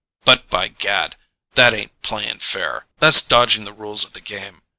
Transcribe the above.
But, by gad, that ain't playing fair: that's dodging the rules of the game.